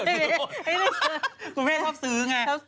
สูงแฮทชอบซื้อไง